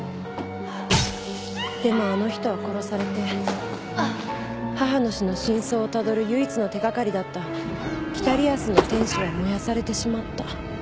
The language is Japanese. でもあの人は殺されて母の死の真相をたどる唯一の手がかりだった『北リアスの天使』は燃やされてしまった。